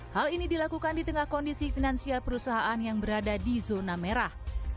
hal ini dilakukan di tengah kondisi finansial perusahaan yang berada di zona merah